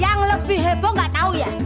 yang lebih heboh gak tau ya